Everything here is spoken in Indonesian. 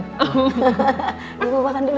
ibu makan dulu makan dulu